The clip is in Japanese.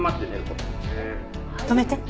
止めて。